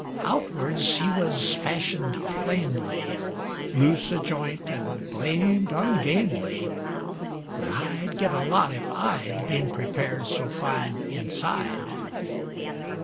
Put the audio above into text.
Outwards he wuz fashioned plainly, Loose o' joint an' blamed ungainly, But I'd give a lot if I'd Been prepared so fine inside.